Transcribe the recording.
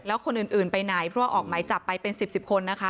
แล้วคนอื่นไปไหนเพราะว่าออกหมายจับไปเป็น๑๐คนนะคะ